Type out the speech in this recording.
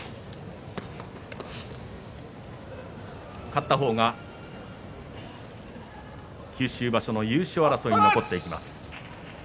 勝った方が九州場所の優勝争いに残っていきます。